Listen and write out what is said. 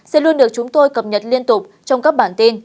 sẽ luôn được chúng tôi cập nhật liên tục trong các bản tin